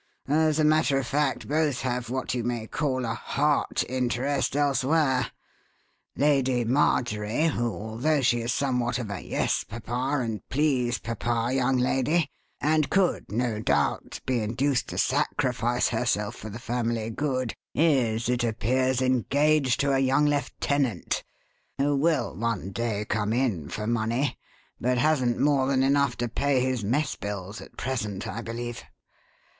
As a matter of fact, both have what you may call a 'heart interest' elsewhere. Lady Marjorie, who, although she is somewhat of a 'Yes, papa,' and 'Please, papa,' young lady, and could, no doubt, be induced to sacrifice herself for the family good, is, it appears, engaged to a young lieutenant who will one day come in for money, but hasn't more than enough to pay his mess bills at present, I believe.